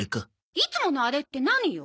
いつものあれって何よ？